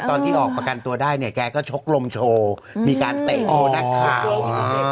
ตอนที่ออกประกันตัวได้เนี่ยแกก็ชกลมโชว์มีการเตะโชว์นักข่าว